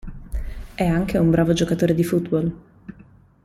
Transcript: È anche un bravo giocatore di football.